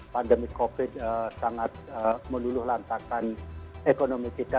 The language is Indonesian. pandemi covid sangat meluluh lantakan ekonomi kita